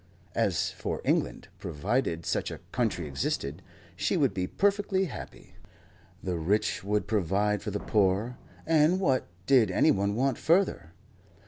As for England, provided such a country existed, she would be perfectly happy. The rich would provide for the poor and what did anyone want further?